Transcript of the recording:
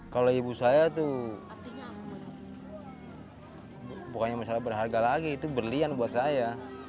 kalau ibu saya tuh bukannya masalah berharga lagi itu berlian buat saya